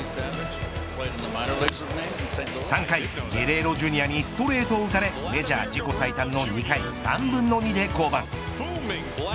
３回ゲレーロジュニアにストレートを打たれメジャー自己最多の２回３分の２で降板。